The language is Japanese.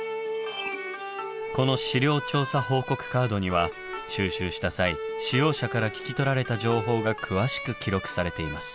この「資料調査報告カード」には収集した際使用者から聞き取られた情報が詳しく記録されています。